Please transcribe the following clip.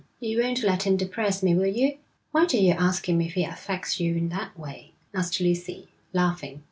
You won't let him depress me, will you?' 'Why did you ask him if he affects you in that way?' asked Lucy, laughing.